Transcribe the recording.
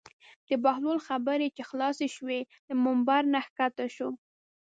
د بهلول خبرې چې خلاصې شوې له ممبر نه کښته شو.